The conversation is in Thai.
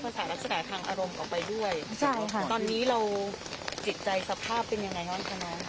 ภาษารักษากายทางอารมณ์ออกไปด้วยใช่ค่ะตอนนี้เราจิตใจสภาพเป็นยังไง